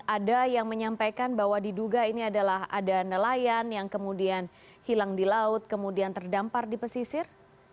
ada yang menyampaikan bahwa diduga ini adalah ada nelayan yang kemudian hilang di laut kemudian terdampar di pesisir